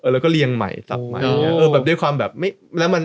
แล้วก็เรียงใหม่ซับใหม่